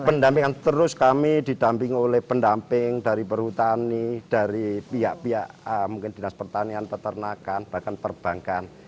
pendampingan terus kami didamping oleh pendamping dari perhutani dari pihak pihak mungkin dinas pertanian peternakan bahkan perbankan